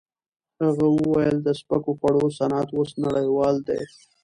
هغه وویل د سپکو خوړو صنعت اوس نړیوال دی.